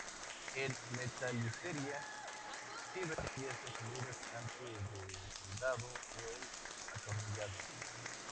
En metalistería sirve para mantener las piezas unidas antes del soldado o el atornillado.